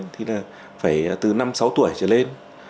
thì phải từ năm sáu tuổi trở lên